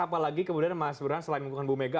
apalagi kemudian mas berhan selain mengunggukan bu mega